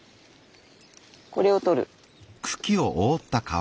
これを取る。